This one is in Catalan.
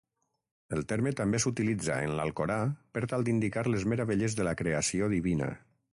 El terme també s'utilitza, en l'Alcorà, per tal d'indicar les meravelles de la Creació divina.